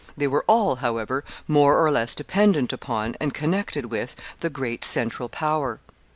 They were all, however, more or less dependent upon, and connected with, the great central power.